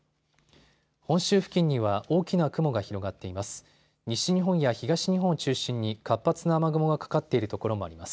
本州付近には大きな雲が広がっています。